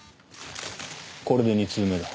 これで２通目だ。